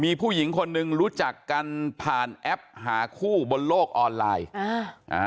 มีผู้หญิงคนหนึ่งรู้จักกันผ่านแอปหาคู่บนโลกออนไลน์อ่า